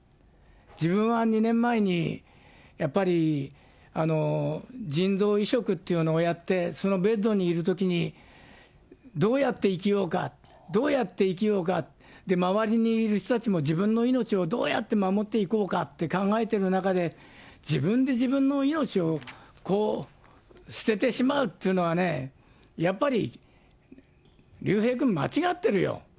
自分は２年前に、やっぱり腎臓移植っていうのをやって、そのベッドにいるときに、どうやって生きようか、どうやって生きようか、周りにいる人たちも自分の命をどうやって守っていこうかって考えている中で、自分で自分の命を捨ててしまうっていうのはね、やっぱり竜兵君、間違ってるよ。